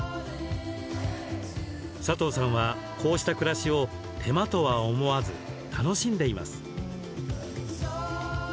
サトウさんはこうした暮らしを手間とは思わず、楽しんでいます。